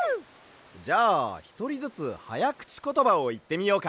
じゃあひとりずつはやくちことばをいってみようか。